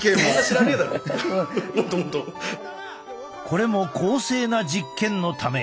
これも公正な実験のため。